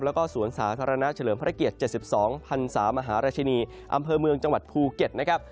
แล้วก็สวนสาธารณะเฉลิมพระเกียรติ๗๒พันศามหาราชินีอำเภอเมืองจังหวัดภูเก็ตนะครับ